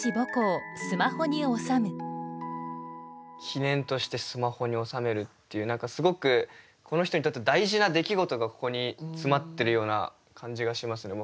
記念としてスマホに収めるっていう何かすごくこの人にとって大事な出来事がここに詰まってるような感じがしますね